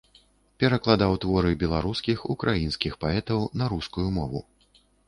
Перакладаў творы беларускіх, украінскіх паэтаў на рускую мову.